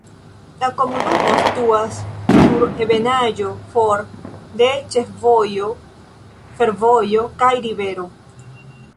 La komunumo situas sur ebenaĵo, for de ĉefvojo, fervojo kaj rivero.